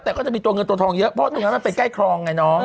แต่ก็จะมีตัวเงินตัวทองเยอะเพราะตรงนั้นมันเป็นใกล้ครองไงน้อง